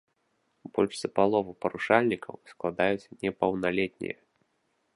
Больш за палову парушальнікаў складаюць непаўналетнія.